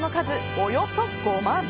およそ５万人。